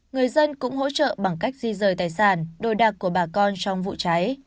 người dân cũng hỗ trợ bằng cách di rời tài sản đồ đạc của bà con trong vụ cháy